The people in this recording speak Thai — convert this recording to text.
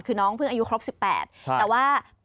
คือน้องเพิ่งอายุครบ๑๘แต่ว่า